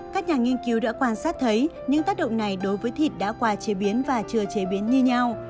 các nhà nghiên cứu đã quan sát thấy những tác động này đối với thịt đã qua chế biến và chưa chế biến như nhau